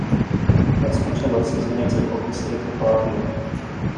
Vasconcellos is a native of the state of Bahia.